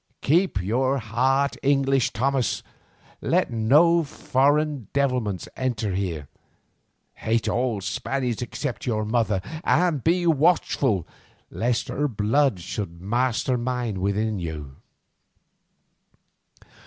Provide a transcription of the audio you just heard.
Keep your heart English, Thomas; let no foreign devilments enter there. Hate all Spaniards except your mother, and be watchful lest her blood should master mine within you."